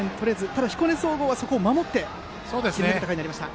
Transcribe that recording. ただ彦根総合は、そこを守っていく戦いになりました。